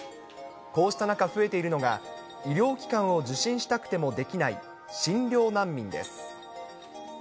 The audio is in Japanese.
こうした中、増えているのが、医療機関を受診したくてもできない診療難民です。